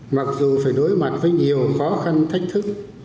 mặc dù phải đối mặt với nhiều khó khăn thách thức